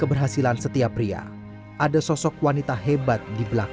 berarti dari dulu juga waktu itu juga nggak